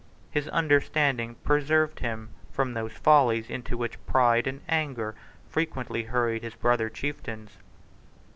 His understanding preserved him from those follies into which pride and anger frequently hurried his brother chieftains.